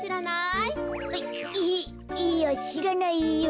いいやしらないよ。